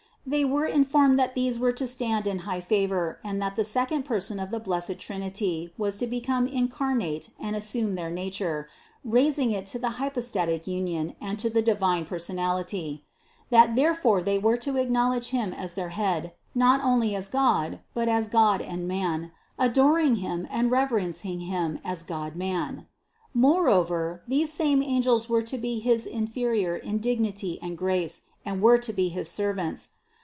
They were informed that these were to stand in high favor, and that the second Person of the blessed Trinity was to become incarnate and assume their nature, raising it to the hypostatic union and to divine Personality ; that therefore they were to acknowl edge Him as their Head, not only as God, but as God and man, adoring Him and reverencing Him as God 90 CITY OF GOD man. Moreover, these same angels were to be his in feriors in dignity and grace and were to be his serv ants.